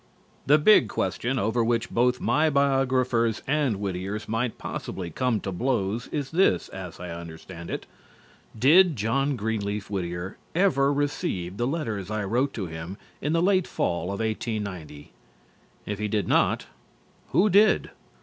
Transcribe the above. The big question over which both my biographers and Whittier's might possibly come to blows is this, as I understand it: Did John Greenleaf Whittier ever receive the letters I wrote to him in the late Fall of 1890? _If he did not, who did?